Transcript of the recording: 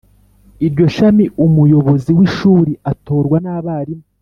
Iryo shami umuyobozi w ishuri atorwa n abarimu